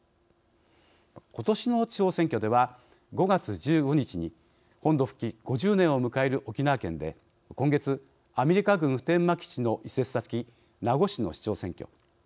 ことしの地方選挙では５月１５日に本土復帰５０年を迎える沖縄県で今月、アメリカ軍普天間基地の移設先、名護市の市長選挙。